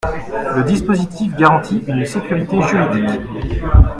Le dispositif garantit une sécurité juridique.